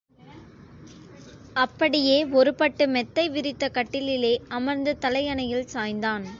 அப்படியே ஒரு பட்டு மெத்தை விரித்த கட்டிலிலே அமர்ந்து தலையணையில் சாய்ந்தான்.